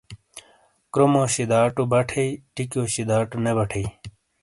کرومو شِداٹو بَٹھیئی ٹِیکیو شِداٹو نے بٹھئیی۔